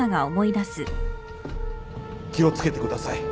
気を付けてください